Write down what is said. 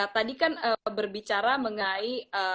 tadi kan berbicara mengai